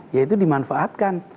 ya itu dimanfaatkan